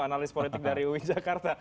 analis politik dari ui jakarta